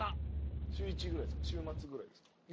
週１ぐらいですか週末ぐらいですか？